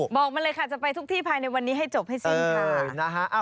บอกมาเลยค่ะจะไปทุกที่ภายในวันนี้ให้จบให้สิ้นค่ะ